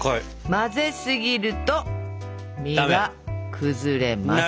混ぜすぎると実が崩れます。